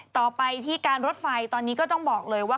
ต่อไปที่การรถไฟตอนนี้ก็ต้องบอกเลยว่า